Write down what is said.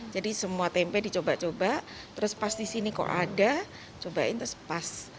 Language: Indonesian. jadi semua tempe dicoba coba terus pas di sini kok ada cobain terus pas